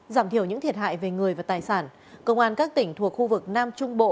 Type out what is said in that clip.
giảm thiểu những thiệt hại về người và tài sản công an các tỉnh thuộc khu vực nam trung bộ